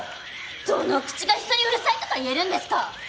どの口が人にうるさいとか言えるんですか！